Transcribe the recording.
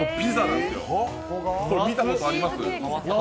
これ、見たことあります？